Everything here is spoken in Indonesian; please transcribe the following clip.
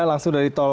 langsung dari polres